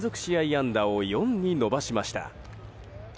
安打を４に伸ばしました。